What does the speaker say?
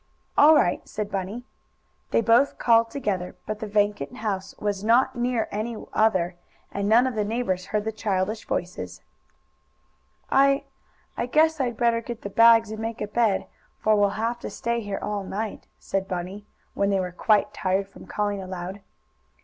"All right," said Bunny. They both called together. But the vacant house was not near any other, and none of the neighbors heard the childish voices. "I I guess I'd better get the bags and make a bed, for we'll have to stay here all night," said Bunny, when they were quite tired from calling aloud.